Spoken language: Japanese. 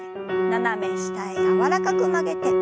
斜め下へ柔らかく曲げて。